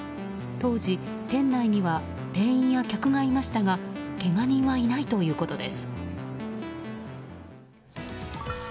当時、店内には店員や客がいましたがけが人はいないということです。